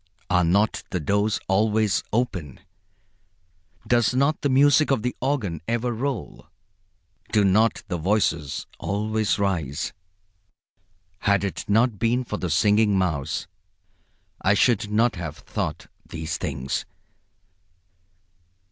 Are not the doors always open? Does not the music of the organ ever roll, do not the voices always rise? Had it not been for the Singing Mouse I should not have thought these things.